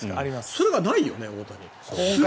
それがないよね。